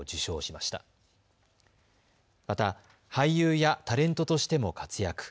また、俳優やタレントとしても活躍。